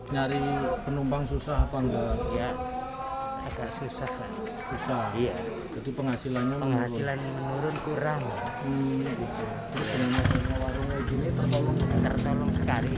nyari penumpang susah atau enggak agak susah susah itu penghasilannya menghasilkan menurun kurang